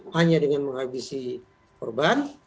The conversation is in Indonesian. hanya dengan menghabisi korban